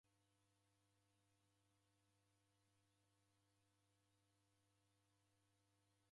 Mao oriw'ika mavunde gha kanguluw'e.